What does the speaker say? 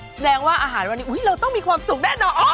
แสดงว่าอาหารวันนี้เราต้องมีความสุขแน่นอน